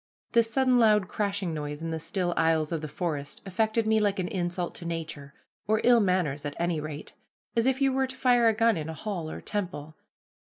This sudden loud crashing noise in the still aisles of the forest affected me like an insult to nature, or ill manners at any rate, as if you were to fire a gun in a hall or temple.